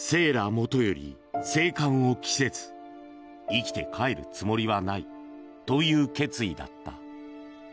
もとより生還を期せず生きて帰るつもりはないという決意だった。